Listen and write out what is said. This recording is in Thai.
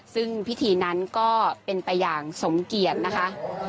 ซึ่งพิธีนั้นก็เป็นไปอย่างสมเกียรตินะคะ